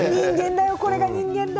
これが人間だよ。